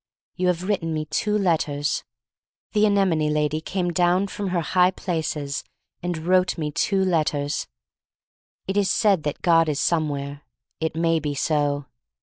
"You have written me two letters. "The anemone lady came down from her high places and wrote me two let ters. "It is said that God is somewhere. It may be so.